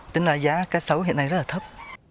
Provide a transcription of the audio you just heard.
tức là giá cá sấu hiện nay rất là thấp